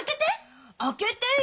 開けてよ。